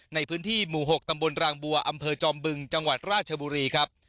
ในพื้นที่หมู่๖ตำบลรางบัวอำเภอจอมบึงจังหวัดราชบุรีครับ